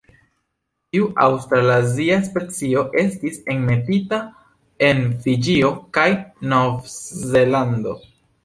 Tiu aŭstralazia specio estis enmetita en Fiĝio kaj Novzelando.